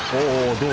どう？